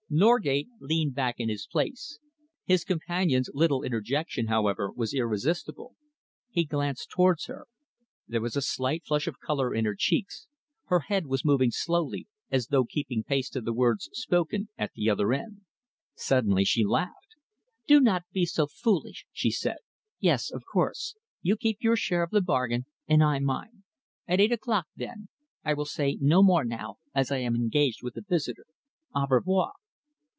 Norgate leaned back in his place. His companion's little interjection, however, was irresistible. He glanced towards her. There was a slight flush of colour in her cheeks, her head was moving slowly as though keeping pace to the words spoken at the other end. Suddenly she laughed. "Do not be so foolish," she said. "Yes, of course. You keep your share of the bargain and I mine. At eight o'clock, then. I will say no more now, as I am engaged with a visitor. _Au revoir!